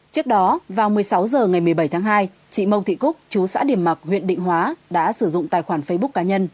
trước đó vào một mươi sáu h ngày một mươi bảy tháng hai chị mông thị cúc chú xã điểm mặc huyện định hóa đã sử dụng tài khoản facebook cá nhân